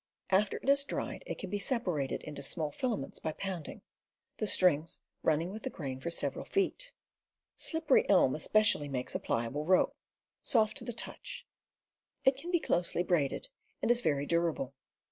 After it is dried it can be separated into small filaments by pounding, the strings running with the grain for several feet. Slip pery elm especially makes a pliable rope, soft to the touch; it can be closely braided, and is very durable.